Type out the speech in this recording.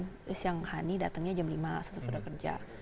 terus yang hani datangnya jam lima saat sudah kerja